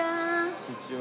こんにちは。